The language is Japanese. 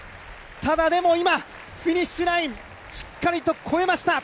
ただ、でも今、フィニッシュラインしっかりと越えました。